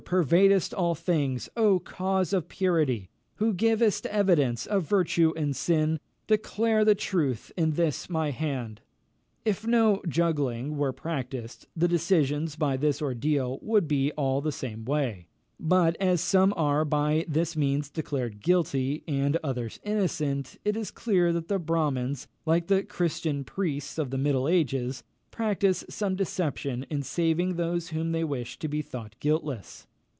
pervadest all things. O cause of purity! who givest evidence of virtue and of sin, declare the truth in this my hand!" If no juggling were practised, the decisions by this ordeal would be all the same way; but as some are by this means declared guilty, and others innocent, it is clear that the Brahmins, like the Christian priests of the middle ages, practise some deception in saving those whom they wish to be thought guiltless.